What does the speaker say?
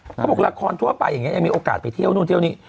เขาบอกละครทั่วไปอย่างนี้ยังมีโอกาสไปเที่ยวนู่นเที่ยวนี้